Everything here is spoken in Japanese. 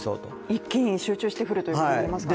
一気に集中して降るということになりますからね。